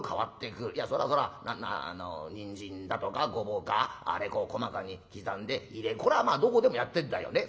いやそらそらにんじんだとかごぼうかあれこう細かに刻んで入れこれはまあどこでもやってんだよね。